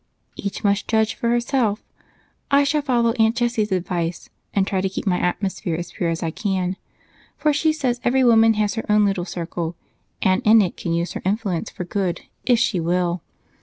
"Each must judge for herself. I shall follow Aunt Jessie's advice and try to keep my atmosphere as pure as I can, for she says every woman has her own little circle and in it can use her influence for good, if she will.